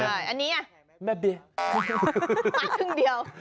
เฮ้ออันดีอะ